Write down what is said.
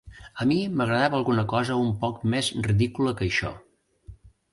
A mi m'agradava alguna cosa un poc més ridícula que això.